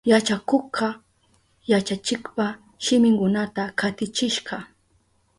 Yachakukka yachachikpa shiminkunata katichishka.